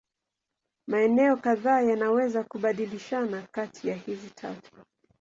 Maeneo kadhaa yanaweza kubadilishana kati hizi tatu.